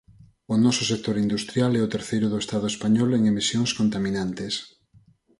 O noso sector industrial é o terceiro do Estado español en emisións contaminantes.